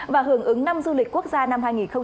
và hưởng ứng năm du lịch quốc gia năm hai nghìn một mươi chín